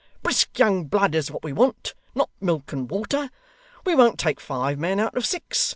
Brisk young blood is what we want; not milk and water. We won't take five men out of six.